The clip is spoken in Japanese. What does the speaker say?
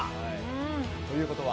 ということは。